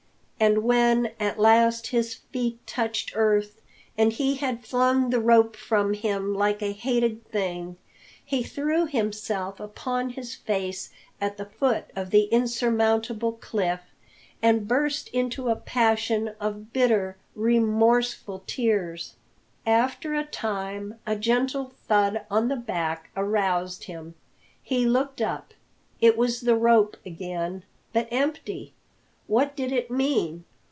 And when at last his feet touched earth, and he had flung the rope from him like a hated thing, he threw himself upon his face at the foot of the insurmountable cliff and burst into a passion of bitter, remorseful tears. After a time a gentle thud on the back aroused him. He looked up. It was the rope again, but empty! What did it mean?